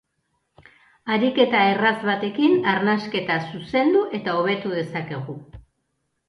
Ariketa erraz batekin arnasketa zuzendu eta hobetu dezakegu.